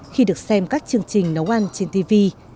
khi được xem các chương trình nấu ăn trên tv